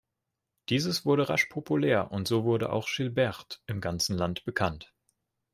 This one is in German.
Dieses wurde rasch populär und so wurde auch Gilberte im ganzen Land bekannt.